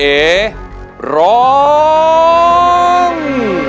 เอ๋ร้อง